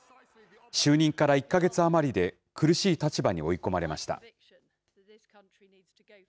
就任から１か月余りで苦しい立場に追い込まれました。